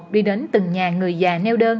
đi đến từng nhà người già nêu đơn